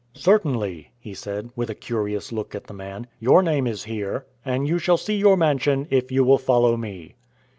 "Certainly," he said, with a curious look at the man, "your name is here; and you shall see your mansion if you will follow me."